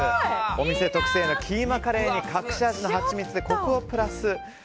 お店特製のキーマカレーに隠し味のハチミツでコクをプラス。